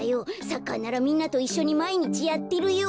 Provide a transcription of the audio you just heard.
サッカーならみんなといっしょにまいにちやってるよ。